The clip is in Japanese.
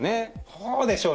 どうでしょう？